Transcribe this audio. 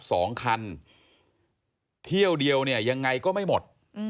ขอบคุณครับและขอบคุณครับ